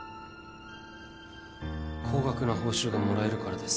高額な報酬がもらえるからです。